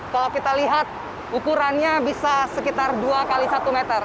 kalau kita lihat ukurannya bisa sekitar dua x satu meter